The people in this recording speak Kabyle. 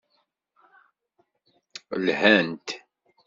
Lhant.